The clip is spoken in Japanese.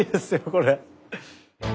これ。